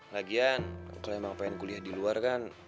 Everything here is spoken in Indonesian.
lagian kalau emang pengen kuliah di luar kan